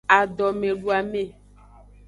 Adomeduame.